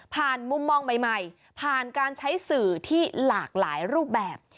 มุมมองใหม่ผ่านการใช้สื่อที่หลากหลายรูปแบบ